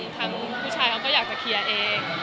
ทางผู้ชายเขาก็อยากจะเคลียร์เอง